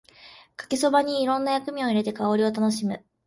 かけそばにいろんな薬味を入れて香りを楽しむ